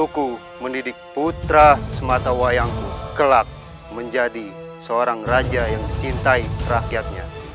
buku mendidik putra sematawayang kelak menjadi seorang raja yang dicintai rakyatnya